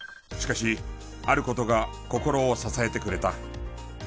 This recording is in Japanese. しかしある事が心を支えてくれた。